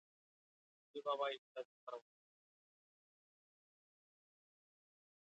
दिली बाबा एकदाची परवानगी!